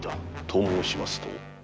と申しますと？